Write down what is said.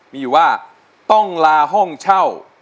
มีอยู่ว่าต้องลาห้องเช่า